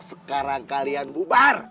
sekarang kalian bubar